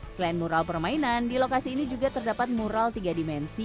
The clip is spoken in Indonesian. selain mural permainan di lokasi ini juga terdapat mural tiga dimensi